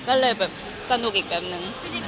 ก็เลยแบบสนุกอีกแบบนึง